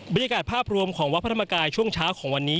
บรรยากาศภาพรวมของวัดพระธรรมกายช่วงเช้าของวันนี้